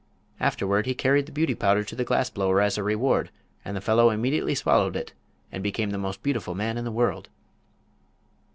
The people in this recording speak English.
Afterward he carried the Beauty Powder to the glass blower as a reward, and the fellow immediately swallowed it and became the most beautiful man in the world.